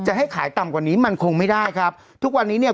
ให้ขายต่ำกว่านี้มันคงไม่ได้ครับทุกวันนี้เนี่ย